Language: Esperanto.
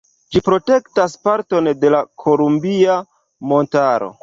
Ĝi protektas parton de la Kolumbia Montaro.